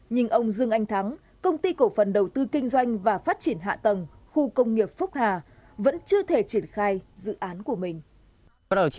nhưng ông dương anh thắng công ty cổ phần đầu tư kinh doanh và phát triển hạ tầng khu công nghiệp phúc hà vẫn chưa thể triển khai dự án của mình